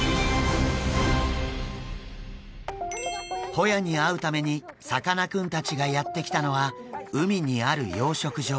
ホヤに会うためにさかなクンたちがやって来たのは海にある養殖場。